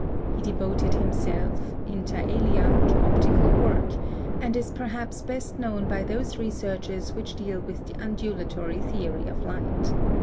He devoted himself, inter alia, to optical work, and is perhaps best known by those researches which deal with the undulatory theory of light.